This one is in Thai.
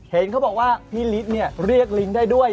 เห็นเขาบอกว่าพี่ฤทธิ์เรียกลิ้งได้ด้วย